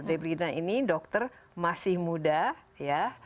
debrina ini dokter masih muda ya